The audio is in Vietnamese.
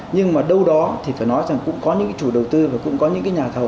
nhưng mà đâu đó thì phải nói rằng cũng có những cái chủ đầu tư và cũng có những nhà thầu